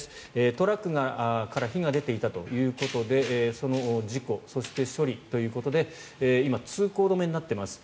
トラックから火が出ていたということでその事故そして処理ということで今、通行止めになっています。